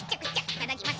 いただきます！